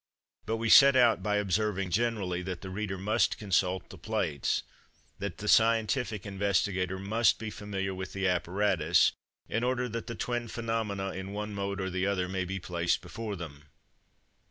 But we set out by observing generally that the reader must consult the plates, that the scientific investigator must be familiar with the apparatus in order that the twin phenomena in one mode or the other may be placed before them.